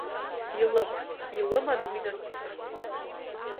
Илыман, илыман уи насыԥ!